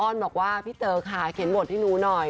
อนบอกว่าพี่เต๋อค่ะเขียนบทให้หนูหน่อย